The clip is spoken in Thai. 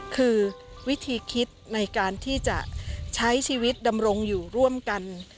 คือวิธีคิดในการที่จะใช้ชีวิตดำรงอยู่ร่วมกัน